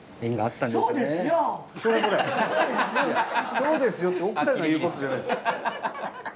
「そうですよ！」って奧さんが言うことじゃないです。